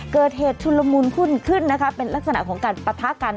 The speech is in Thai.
เกิดเหตุชุมมลมุมขึ้นเป็นลักษณะของการประทากัน